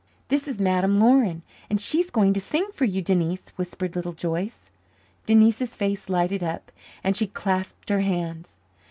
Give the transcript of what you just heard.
"This is Madame Laurin, and she is going to sing for you, Denise," whispered Little Joyce. Denise's face lighted up, and she clasped her hands.